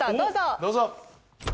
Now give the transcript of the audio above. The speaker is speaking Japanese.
どうぞ！